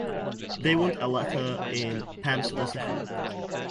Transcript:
They want a letter in Pam's possession.